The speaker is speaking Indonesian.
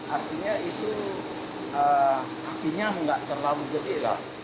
artinya itu apinya nggak terlalu gede lah